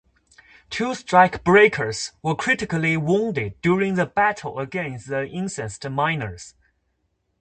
Two strikebreakers were critically wounded during the battle against the incensed miners.